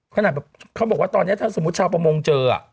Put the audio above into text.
ขนาดแบบเขาบอกว่าตอนนี้ถ้าสมมุติชาวประมงเจอ